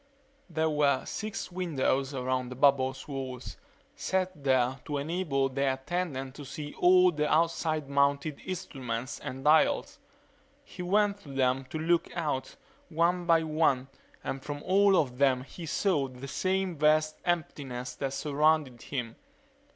There were six windows around the bubble's walls, set there to enable the attendant to see all the outside mounted instruments and dials. He went to them to look out, one by one, and from all of them he saw the same vast emptiness that surrounded him.